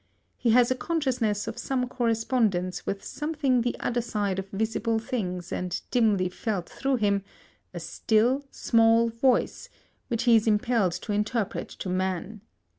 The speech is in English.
He has a consciousness of some correspondence with something the other side of visible things and dimly felt through them, a "still, small voice" which he is impelled to interpret to man.